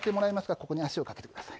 ここに足をかけてください。